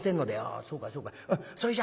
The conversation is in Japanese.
「あそうかいそうかい。